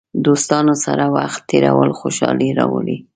دوستانو سره وخت تېرول خوشحالي راولي.